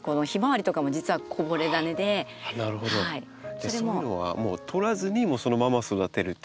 じゃあそういうものはもう取らずにそのまま育てるっていうか。